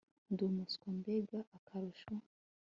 Ndi umuswa mbega akarusho